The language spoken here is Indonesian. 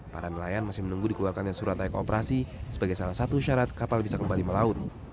para nelayan masih menunggu dikeluarkannya surat layak operasi sebagai salah satu syarat kapal bisa kembali melaut